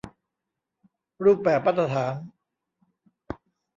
รูปแบบมาตรฐาน